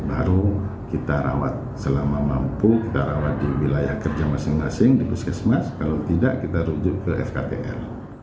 baru kita rawat selama mampu kita rawat di wilayah kerja masing masing di puskesmas kalau tidak kita rujuk ke sktr